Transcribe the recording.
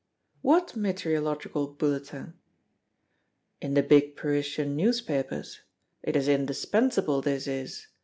"What meteorological bulletin?" "In the big Parisian newspapers. It is indispensable, this is!